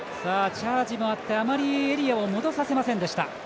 チャージもあってあまりエリアを戻させませんでした。